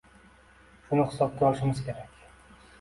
Shuni hisobga olishimiz kerak.